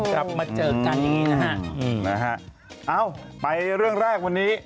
กลับมาเจอกันอย่างงี้นะฮะอืมนะฮะเอ้าไปเรื่องแรกวันนี้